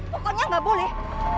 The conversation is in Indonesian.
pokoknya gak boleh